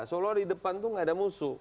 seolah olah di depan itu nggak ada musuh